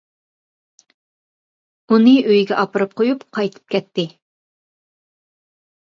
ئۇنى ئۆيىگە ئاپىرىپ قۇيۇپ قايتىپ كەتتى.